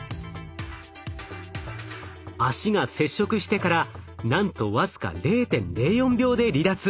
脚が接触してからなんと僅か０．０４秒で離脱。